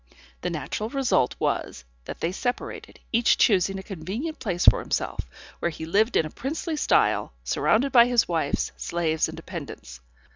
The natural result was, that they separated, each choosing a convenient place for himself, where he lived in a princely style, surrounded by his wives, slaves and dependants.